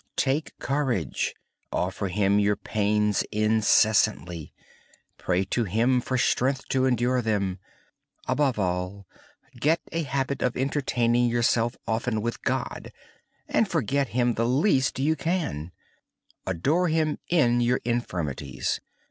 Take courage. Offer Him your pain and pray to Him for strength to endure them. Above all, get in the habit of often thinking of God, and forget Him the least you can. Adore Him in your infirmities.